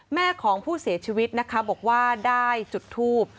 แม่ของผู้เสียชีวิตนะคะบอกว่าได้จุดทูบ